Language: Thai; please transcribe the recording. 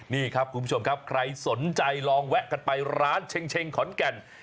นี่ครับคุณผู้ชมครับใครสนใจลองแวะกันไปร้านเช็งขอนแก่น